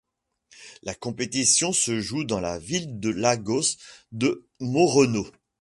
La compétition se joue dans la ville de Lagos de Moreno.